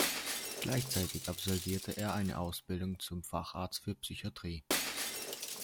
Gleichzeitig absolvierte er eine Ausbildung zum Facharzt für Psychiatrie.